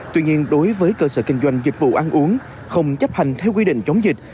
tuy nhiên đối với cơ sở kinh doanh dịch vụ ăn uống không chấp hành theo quy định chống dịch